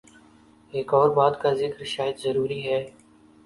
ایک اور بات کا ذکر شاید ضروری ہے۔